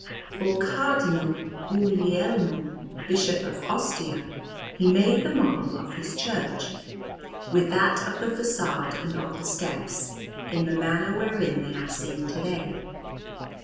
For Cardinal Guglielmo, Bishop of Ostia, he made the model of his church, with that of the façade and of the steps, in the manner wherein they are seen to day.